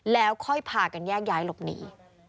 แล้วค่อยพากันแยกย้ายหลบหนี